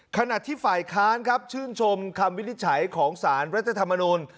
ขณะที่ฝ่ายค้านครับชื่นชมคำวินิจฉัยของสารรัฐธรรมนูล